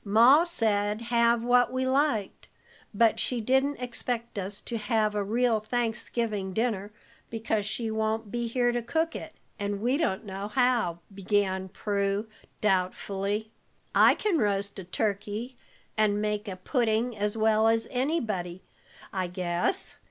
"Ma said, have what we liked, but she didn't expect us to have a real Thanksgiving dinner, because she won't be here to cook it, and we don't know how," began Prue, doubtfully. "I can roast a turkey and make a pudding as well as anybody, I guess.